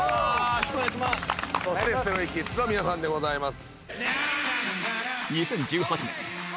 そしてＳｔｒａｙＫｉｄｓの皆さんでございます。